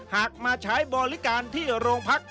หากมาใช้บริการที่โรงพัก